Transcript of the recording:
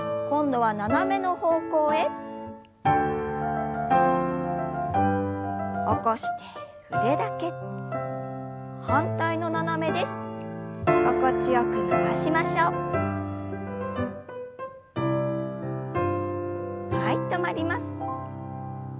はい止まります。